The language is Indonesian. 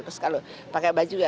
terus kalau pakai baju